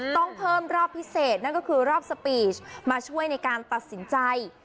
ต้องเพิ่มรอบพิเศษนั่นก็คือรอบสปีชมาช่วยในการตัดสินใจ